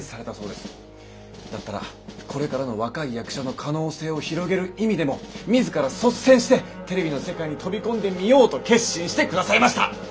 だったらこれからの若い役者の可能性を広げる意味でも自ら率先してテレビの世界に飛び込んでみようと決心してくださいました。